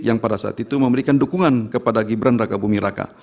yang pada saat itu memberikan dukungan kepada gibran raka bumi raka